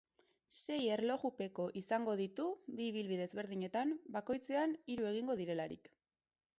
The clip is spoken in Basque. Sei erlojupeko izango ditu, bi ibilbide ezberdinetan, bakoitzean hiru egingo direlarik.